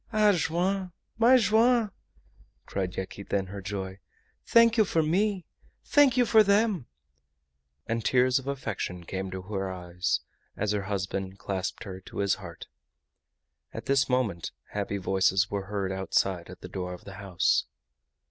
"Ah! Joam! my Joam!" cried Yaquita, in her joy. "Thank you for me! Thank you for them!" And tears of affection came to her eyes as her husband clasped her to his heart. At this moment happy voices were heard outside at the door of the house.